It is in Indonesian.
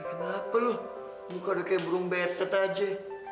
kenapa lu muka udah kayak burung betet aja